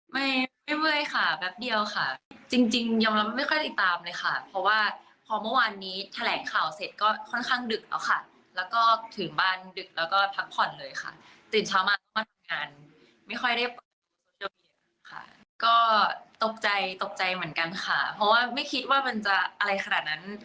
ผมก็ไม่ต้องตกใจเหมือนกันค่ะเพราะว่าไม่คิดว่ามันจะอะไรขนาดนั้น